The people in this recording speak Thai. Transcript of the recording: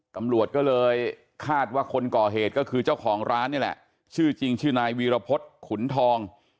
ตำรวจก็เลยคาดว่าคนก่อเหตุก็คือเจ้าของร้านนี่แหละชื่อจริงชื่อนายวีรพฤษขุนทอง